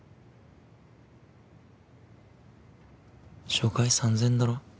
初回３，０００円だろ？